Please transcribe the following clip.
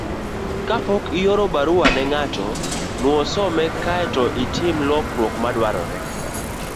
Kapok ioro barua ne ng'ato, nuo some kae to itim lokruok madwarore.